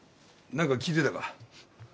何か聞いてたか？